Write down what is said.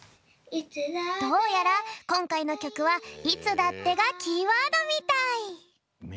どうやらこんかいのきょくは「いつだって」がキーワードみたい。